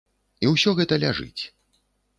І ўсё гэта ляжыць.